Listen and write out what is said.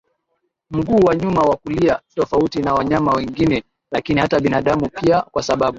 mguu wa nyuma wa kulia tofauti na wanyama wengine lakini hata binaadamu pia kwasababu